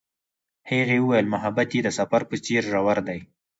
هغې وویل محبت یې د سفر په څېر ژور دی.